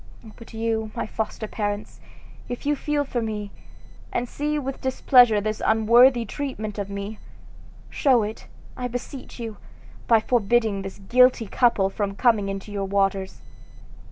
But you, my foster parents, if you feel for me, and see with displeasure this unworthy treatment of me, show it, I beseech you, by forbidding this guilty couple from coming into your waters."